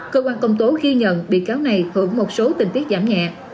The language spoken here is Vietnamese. cơ quan công tố ghi nhận bị cáo này hưởng một số tình tiết giảm nhẹ